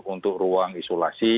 untuk ruang isolasi